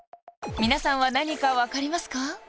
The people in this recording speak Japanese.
皆さんは何か分かりますか？